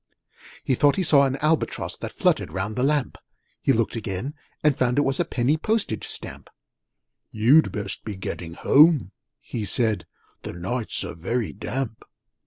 He thought he saw an Albatross That fluttered round the lamp: He looked again, and found it was A Penny Postage Stamp. 'You'd best be getting home,' he said: 'The nights are very damp!'